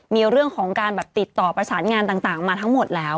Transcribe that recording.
มีเรื่องของการแบบติดต่อประสานงานต่างมาทั้งหมดแล้ว